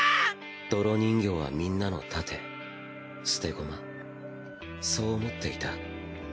泥人形はみんなの盾捨て駒そう思っていた。